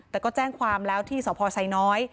แต่ก็แจ้งความแล้วที่สพไซน้อย